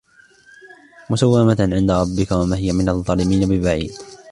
مسومة عند ربك وما هي من الظالمين ببعيد